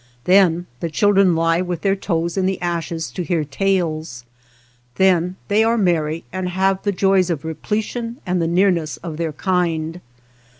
Then the children He with their / toes in the ashes to hear tales ; then they are merry, and have the joys of repletion/ and the nearness of their kind.